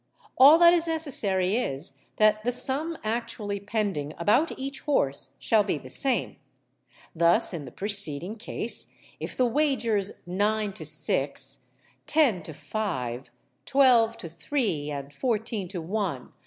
All that is necessary is, that the sum actually pending about each horse shall be the same. Thus, in the preceding case, if the wagers 9_l._ to 6_l._, 10_l._ to 5_l._, 12_l._ to 3_l._, and 14_l._ to 1_l.